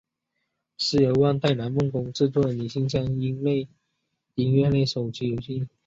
是由万代南梦宫制作的女性向音乐类手机游戏。